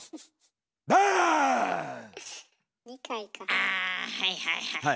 あはいはいはい。